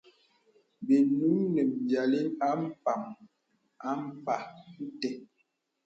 Bì nùŋ nə vyàŋli àpàŋ ampa te.